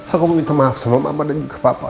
aku minta maaf sama bapak dan juga papa